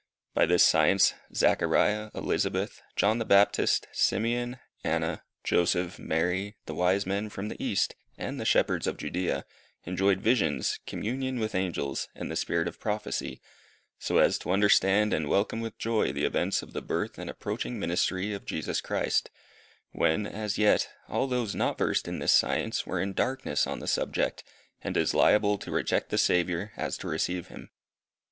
By this science Zachariah, Elizabeth, John the Baptist, Simeon, Anna, Joseph, Mary, the wise men from the east, and the shepherds of Judea, enjoyed visions, communion with angels, and the spirit of prophecy, so as to understand and welcome with joy the events of the birth and approaching ministry of Jesus Christ, when, as yet, all those not versed in this science, were in darkness on the subject, and as liable to reject the Saviour as to receive him.